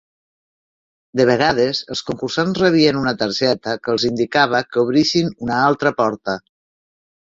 De vegades, els concursants rebien una targeta que els indicava que obrissin una altra porta.